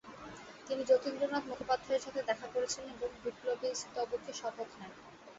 তিনি যতীন্দ্রনাথ মুখোপাধ্যায়ের সাথে দেখা করেছিলেন এবং বিপ্লবীস্তবকে শপথ নেন।